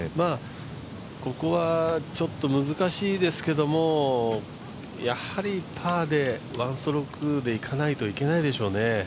ここはちょっと難しいですけどやはり、パーで１ストロークでいかないといけないでしょうね。